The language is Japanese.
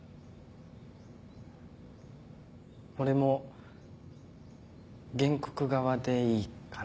俺も原告側でいいかな。